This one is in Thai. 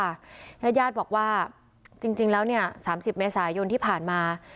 และญาติบอกว่าจริงจริงแล้วเนี้ยสามสิบเมษายนที่ผ่านมา